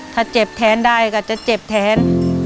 ถ้าเจ็บแทนได้ก็จะเจ็บแทน